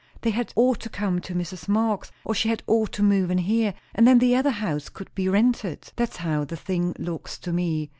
They had ought to come to Mrs. Marx, or she had ought to move in here, and then the other house could be rented. That's how the thing looks to me.